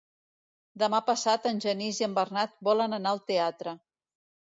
Demà passat en Genís i en Bernat volen anar al teatre.